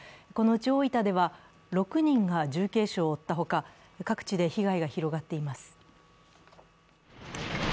このうち大分では６人が重軽傷を負ったほか、各地で被害が広がっています。